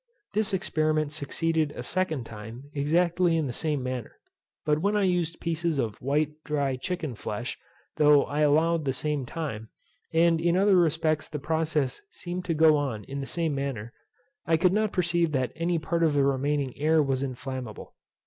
This experiment succeeded a second time exactly in the same manner; but when I used pieces of white dry chicken flesh though I allowed the same time, and in other respects the process seemed to go on in the same manner, I could not perceive that any part of the remaining air was inflammable.